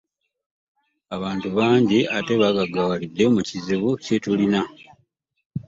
Abantu bangi ate bagaggawalidde mu kizibu kye tulina.